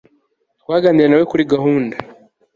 twaganiriye nawe kuri gahunda